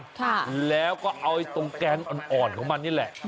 ค่ะแล้วก็เอาตรงแกงอ่อนอ่อนของมันนี่แหละ